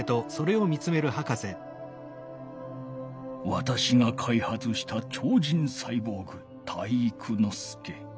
わたしが開発した超人サイボーグ体育ノ介。